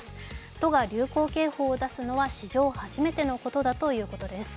都が流行警報を出すのは史上初めてのことだといいます。